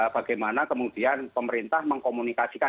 bagaimana kemudian pemerintah mengkomunikasikan